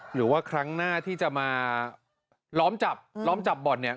หรือว่าครั้งหน้าที่จะมาล้อมจับล้อมจับบ่อนเนี่ย